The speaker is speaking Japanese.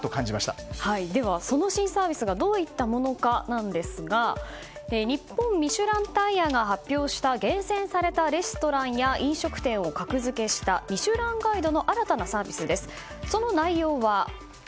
このニュースを見て、私はいよいよ時代が変わるなとその新サービスがどういったものかなんですが日本ミシュランタイヤが発表した厳選されたレストランや飲食店を格付けした「ミシュランガイド」の新たなサービスです。